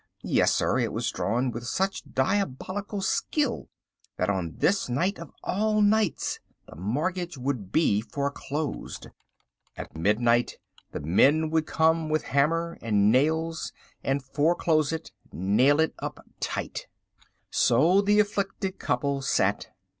Yes, sir, it was drawn with such diabolical skill that on this night of all nights the mortgage would be foreclosed. At midnight the men would come with hammer and nails and foreclose it, nail it up tight. So the afflicted couple sat.